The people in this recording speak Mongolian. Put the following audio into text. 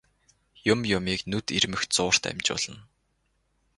Юм юмыг нүд ирмэх зуурт амжуулна.